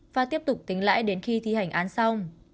và tiếp tục tính lãi đến khi thi hành án xong